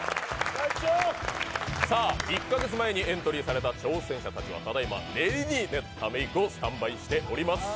さあ１カ月前にエントリーされた挑戦者たちはただいま練りに練ったメークをスタンバイしています。